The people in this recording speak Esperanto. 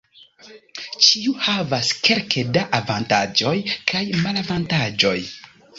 Ĉiu havas kelke da avantaĝoj kaj malavantaĝoj.